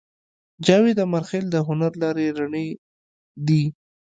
جاوید امیرخېل د هنر لارې رڼې دي